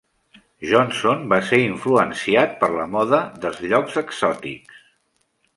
Johnson va ser influenciat per la moda dels llocs exòtics.